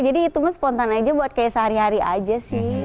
jadi itu mah spontan aja buat kayak sehari hari aja sih